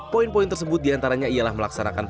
poin poin tersebut diantaranya ialah melaksanakan